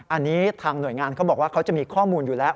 อันนี้ทางหน่วยงานเขาบอกว่าเขาจะมีข้อมูลอยู่แล้ว